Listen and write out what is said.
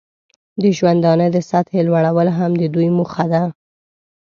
د ژوندانه د سطحې لوړول هم د دوی موخه ده.